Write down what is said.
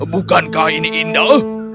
bukankah ini indah